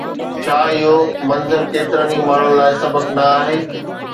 ڇا اهو منظر ڪيترن ئي ماڻهن لاءِ سبق نه آهي؟